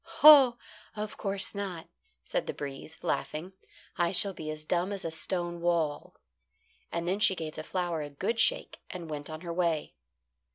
"Oh! of course not," said the breeze, laughing. "I shall be as dumb as a stone wall." And then she gave the flower a good shake and went on her way.